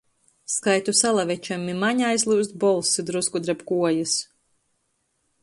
Skaitu Salavečam, i maņ aizlyust bolss i drusku dreb kuojis.